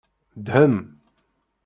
Dhem.